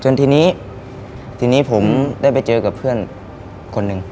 ทีนี้ทีนี้ผมได้ไปเจอกับเพื่อนคนหนึ่ง